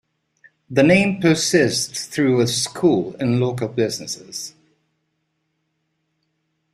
The name persists through a school and local businesses.